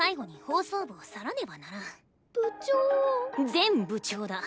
前部長だ。